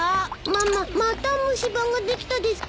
ママまた虫歯ができたですか？